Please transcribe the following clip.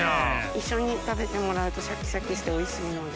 一緒に食べてもらうとシャキシャキしておいしいので。